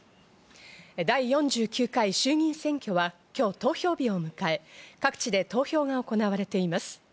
第４９回衆議院選挙は今日、投票日を迎え、各地で投票が行われています。